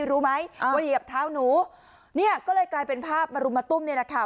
รู้ไหมว่าเหยียบเท้าหนูเนี่ยก็เลยกลายเป็นภาพมารุมมาตุ้มนี่แหละค่ะ